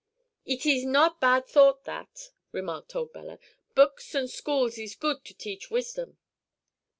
"Eet ees not bad thought, that," remarked old Bella. "Books an' schools ees good to teach wisdom."